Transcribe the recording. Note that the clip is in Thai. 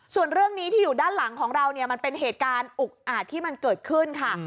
ส่วนเรื่องนี้ที่อยู่ด้านหลังของเราเนี่ยมันเป็นเหตุการณ์อุกอาจที่มันเกิดขึ้นค่ะ